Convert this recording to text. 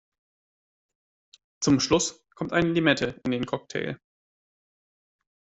Zum Schluss kommt eine Limette in den Cocktail.